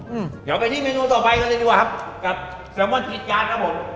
อืมเดี๋ยวไปที่เมนูต่อไปกันเลยดีกว่าครับกับแซลมอนพริกการ์ดครับผม